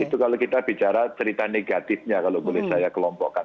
itu kalau kita bicara cerita negatifnya kalau boleh saya kelompokkan